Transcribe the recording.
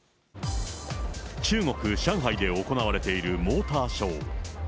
中国・上海で行われている、モーターショー。